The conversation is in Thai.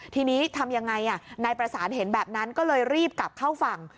ทีนี้ทำยังไงนายประสานเห็นแบบนั้นก็เลยรีบกลับเข้าฝั่ง